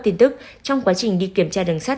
tin tức trong quá trình đi kiểm tra đường sắt